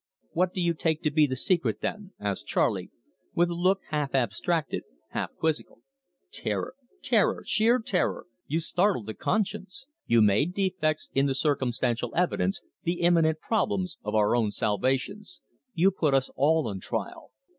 "What do you take to be the secret, then?" asked Charley, with a look half abstracted, half quizzical. "Terror sheer terror. You startled the conscience. You made defects in the circumstantial evidence, the imminent problems of our own salvation. You put us all on trial.